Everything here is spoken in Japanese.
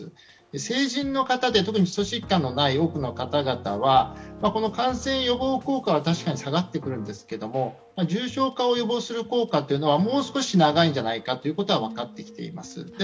成人の方で、特に基礎疾患のない多くの方々は感染予防効果は確かに下がってくるんですけど、重症かを予防する効果っていうのはもう少し長いんではないかということも分かってきています。